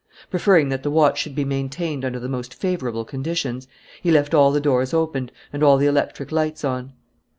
Preferring that the watch should be maintained under the most favourable conditions, he left all the doors opened and all the electric lights on.